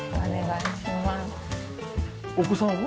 お子さんは？